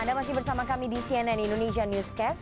anda masih bersama kami di cnn indonesia newscast